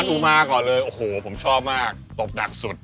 กูมาก่อนเลยโอ้โหผมชอบมากตบหนักสุด